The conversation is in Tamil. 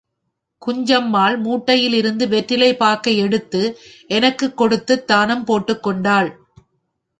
குஞ்சம்மாள் மூட்டையிலிருந்து வெற்றிலை பாக்கை எடுத்து எனக்குக் கொடுத்துத் தானும் போட்டுக் கொண்டாள்.